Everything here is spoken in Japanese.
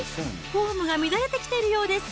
フォームが乱れてきているようです。